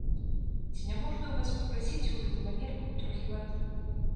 Ці няможна ў вас папрасіць у гэту манерку трохі вады?